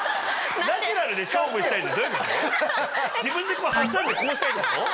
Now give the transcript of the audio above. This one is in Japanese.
自分で挟んでこうしたいってこと？